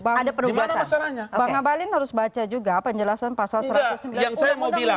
bang abalin harus baca juga penjelasan pasal satu ratus sembilan